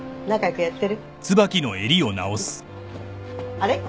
あれ？